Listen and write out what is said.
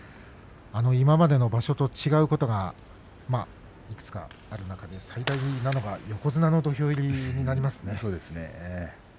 今までの場所と違うことがいくつかある中で最大なのが横綱の土俵入りですよね。